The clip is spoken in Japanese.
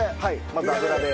まず油で。